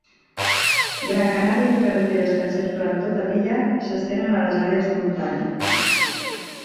Gran Canària té carreteres que encerclen tota l'illa i s'estenen a les àrees de muntanya.